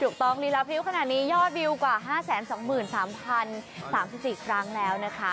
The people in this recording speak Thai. ลีลาพริ้วขนาดนี้ยอดวิวกว่า๕๒๓๐๓๔ครั้งแล้วนะคะ